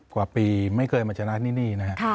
กว่าปีไม่เคยมาชนะนี่นะครับ